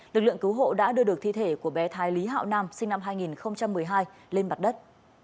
lực lượng cứu hộ đã đưa được thi thể của bé thái lý hạo nam sinh năm hai nghìn một mươi hai lên mặt đất